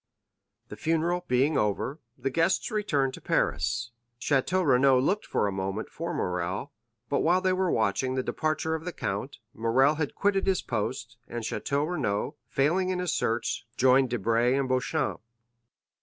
The funeral being over, the guests returned to Paris. Château Renaud looked for a moment for Morrel; but while they were watching the departure of the count, Morrel had quitted his post, and Château Renaud, failing in his search, joined Debray and Beauchamp.